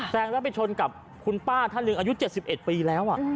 แซงแล้วไปชนกับคุณป้าท่านหนึ่งอายุ๗๑ปีแล้ว